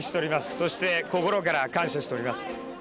そして心から感謝しております。